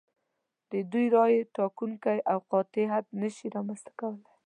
د دوی رایې ټاکونکی او قاطع حد نشي رامنځته کولای.